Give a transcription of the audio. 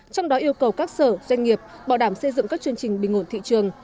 trong đó yêu cầu các sở doanh nghiệp bảo đảm xây dựng các chương trình bình ổn thị trường